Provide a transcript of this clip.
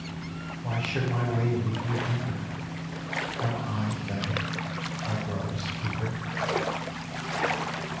'_Why should my way lead me deeper? Am I, then, my Brother's keeper?